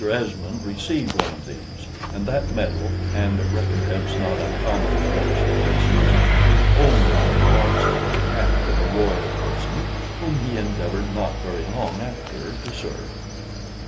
Esmond received one of these; and that medal, and a recompense not uncommon amongst Princes, were the only rewards he ever had from a Royal person, whom he endeavored not very long after to serve.